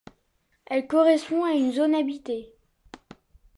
Elle correspond à une zone habitée.